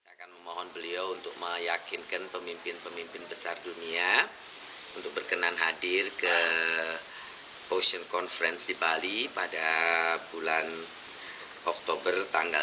saya akan memohon beliau untuk meyakinkan pemimpin pemimpin besar dunia untuk berkenan hadir ke ocean conference di bali pada bulan oktober